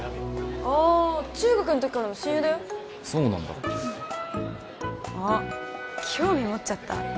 あ中学のときからの親友だよそうなんだあっ興味持っちゃった？